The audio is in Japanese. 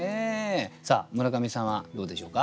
さあ村上さんはどうでしょうか？